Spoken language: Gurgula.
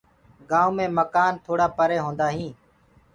گآئونٚ مي مڪآن توڙآ پري هوندآ هين۔